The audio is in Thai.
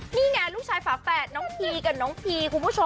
นี่ไงลูกชายฝาแฝดน้องพี่กับน้องพี่